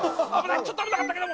ちょっと危なかったけども。